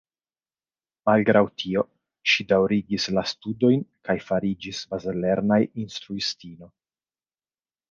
Malgraŭ tio, ŝi daŭrigis la studojn kaj fariĝis bazlerneja instruistino.